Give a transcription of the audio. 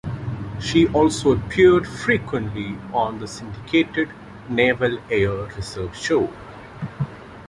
She also appeared frequently on the syndicated "Naval Air Reserve Show".